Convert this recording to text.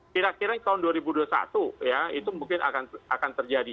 kira kira tahun dua ribu dua puluh satu ya itu mungkin akan terjadi